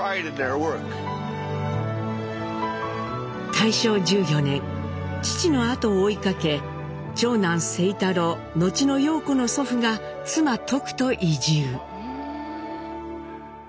大正１４年父の後を追いかけ長男清太郎後の陽子の祖父が妻トクと移住。